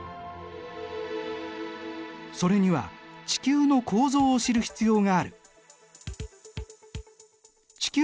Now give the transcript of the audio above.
それには地球の構造を知る必要がある。